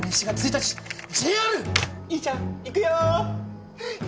いーちゃんいくよ！